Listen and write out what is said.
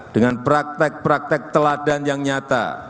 dengan praktek praktek teladan yang nyata